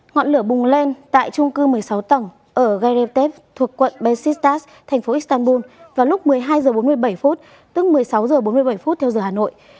ngọn lửa bùng lên tại trung cư một mươi sáu tầng ở geretev thuộc quận besistas thành phố istanbul vào lúc một mươi hai h bốn mươi bảy phút tức một mươi sáu h bốn mươi bảy theo giờ hà nội